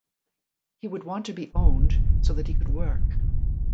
He would want to be owned, so that he could work.